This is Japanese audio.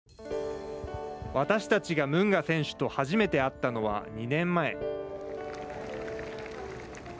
私たちがムンガ選手と初めて会ったのは２年前。